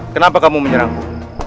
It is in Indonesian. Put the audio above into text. kenapa kamu menyerangku